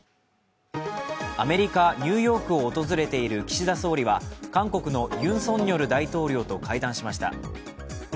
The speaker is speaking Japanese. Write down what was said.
アメリカ・ニューヨークを訪れている岸田総理は韓国のユン・ソンニョル大統領と会談しました。